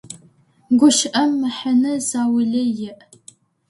Гущыӏэм мэхьэнэ заулэ иӏ.